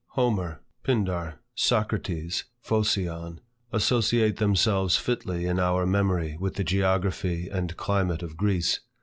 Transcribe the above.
Homer, Pindar, Socrates, Phocion, associate themselves fitly in our memory with the geography and climate of Greece.